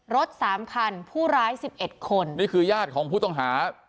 รถสามคันผู้ร้ายสิบเอ็ดคนนี่คือญาติของผู้ต้องหา